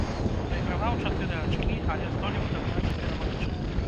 Прайграваў чатыры ачкі, але здолеў дагнаць і перамагчы.